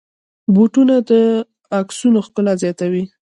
بوټونه د عکسونو ښکلا زیاتوي.